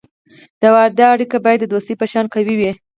د واده اړیکه باید د دوستی په شان قوي وي.